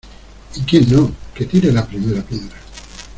y quien no, que tire la primera piedra.